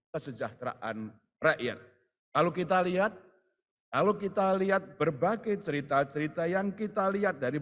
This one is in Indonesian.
kesejahteraan rakyat kalau kita lihat kalau kita lihat berbagai cerita cerita yang kita lihat dari